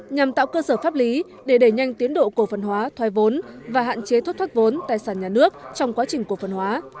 nhằm tạo cơ sở pháp lý để đẩy nhanh tiến độ cổ phần hóa thoai vốn và hạn chế thất thoát vốn tài sản nhà nước trong quá trình cổ phần hóa